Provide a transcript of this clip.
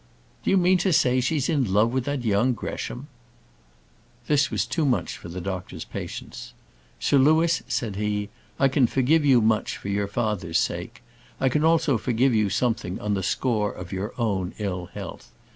"Do you mean to say she's in love with that young Gresham?" This was too much for the doctor's patience. "Sir Louis," said he, "I can forgive you much for your father's sake. I can also forgive something on the score of your own ill health.